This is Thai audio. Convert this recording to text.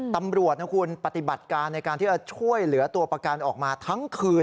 ตำรวจนะคุณปฏิบัติการในการที่จะช่วยเหลือตัวประกันออกมาทั้งคืน